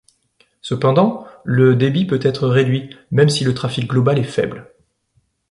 Cependant, le débit peut être réduit, même si le trafic global est faible.